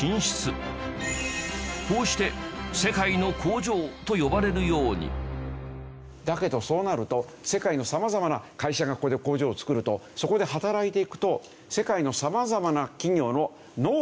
こうして「世界の工場」と呼ばれるようにだけどそうなると世界の様々な会社がここで工場を作るとそこで働いていくと。